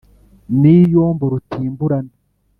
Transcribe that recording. n’iyombo rutimburana